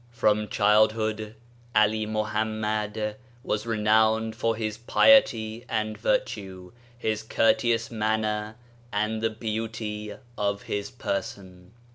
From childhood Ali Mohammad was renowned for his piety and virtue, his courteous manner, and the beauty of his person.